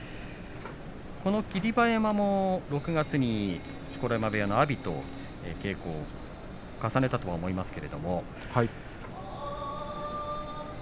霧馬山も６月に錣山部屋の阿炎と稽古を重ねたと思いますが。